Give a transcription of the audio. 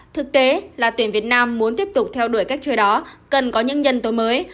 thực tế là tuyển việt nam muốn tiếp tục theo đuổi cách chơi đó cần có những nhân tố mới